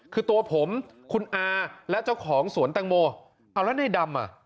คือตัวผมคุณอาและเจ้าของสวนแตงโมเอาแล้วในดำอ่ะ